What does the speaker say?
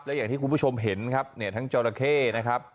และอย่างคุณผู้ชมเห็นครับทั้งมาเคนะครับ